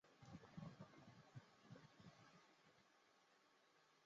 经父执辈推介进了启东镇的裕丰棉花杂粮铺当学徒工。